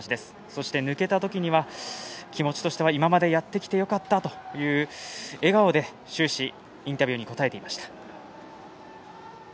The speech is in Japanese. そして抜けた時には気持ちとしては今までやってきてよかったと笑顔で、終始インタビューに答えていました。